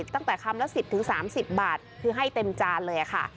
ตั้งแต่คำละ๑๐๓๐บาทคือให้เต็มจานเลยค่ะ